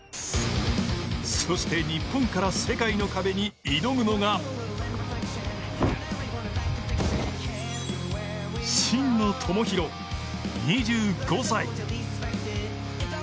そして日本から世界の壁に挑むのが、真野友博、２５歳。